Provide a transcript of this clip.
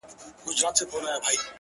• هم داسي ستا دا گل ورين مخ،